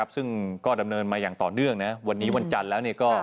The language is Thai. ซึ่งก็ดำเนินมาอย่างต่อเนื่องนะวันนี้วันจันทร์แล้วก็